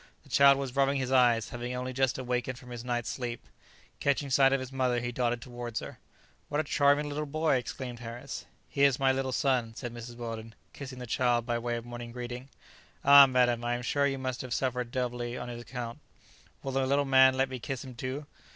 The child was rubbing his eyes, having only just awakened from his night's sleep. Catching sight of his mother, he darted towards her. "What a charming little boy!" exclaimed Harris. "He is my little son," said Mrs. Weldon, kissing the child by way of morning greeting. "Ah, madam, I am sure you must have suffered doubly on his account. Will the little man let me kiss him too?"